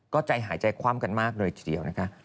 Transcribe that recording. ก็ใจหายใจคว่ำกันมากเลยทีเดียวนะคะ